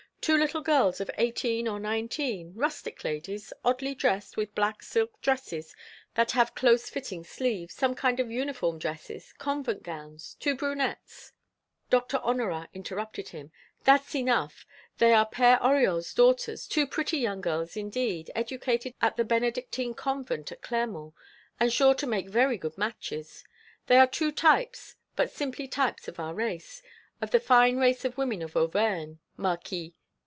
Two little girls of eighteen or nineteen, rustic ladies, oddly dressed, with black silk dresses that have close fitting sleeves, some kind of uniform dresses, convent gowns two brunettes " Doctor Honorat interrupted him: "That's enough. They are Père Oriol's daughters, two pretty young girls indeed, educated at the Benedictine Convent at Clermont, and sure to make very good matches. They are two types, but simply types of our race, of the fine race of women of Auvergne, Marquis.